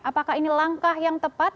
apakah ini langkah yang tepat